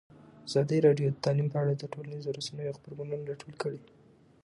ازادي راډیو د تعلیم په اړه د ټولنیزو رسنیو غبرګونونه راټول کړي.